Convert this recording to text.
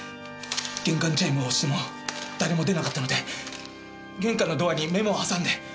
玄関チャイムを押しても誰も出なかったので玄関のドアにメモを挟んで。